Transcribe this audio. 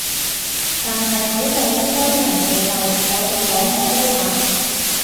但係喺度應該人哋就我哋講廣東話